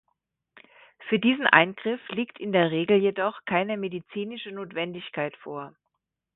Für diesen Eingriff liegt in der Regel jedoch keine medizinische Notwendigkeit vor.